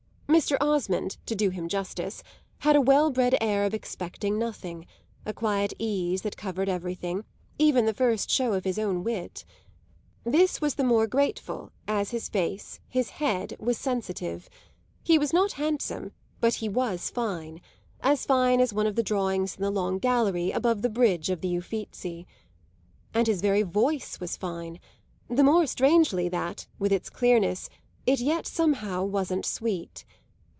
Mr. Osmond, to do him justice, had a well bred air of expecting nothing, a quiet ease that covered everything, even the first show of his own wit. This was the more grateful as his face, his head, was sensitive; he was not handsome, but he was fine, as fine as one of the drawings in the long gallery above the bridge of the Uffizi. And his very voice was fine the more strangely that, with its clearness, it yet somehow wasn't sweet.